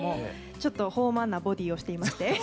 ちょっと豊満なボディーをしていまして。